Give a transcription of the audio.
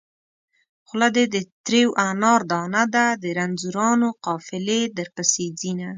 خوله دې د تريو انار دانه ده د رنځورانو قافلې درپسې ځينه